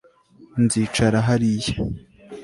nzicara hariya